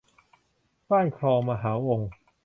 บ้านคลองมหาวงก์